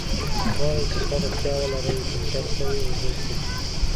که غواړی چې ښه روغتیا ولری ! فلټر سوي اوبه څښئ!